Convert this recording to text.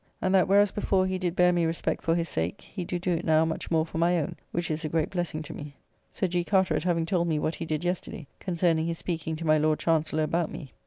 And that, whereas before he did bear me respect for his sake, he do do it now much more for my own; which is a great blessing to me. Sir G. Carteret having told me what he did yesterday concerning his speaking to my Lord Chancellor about me.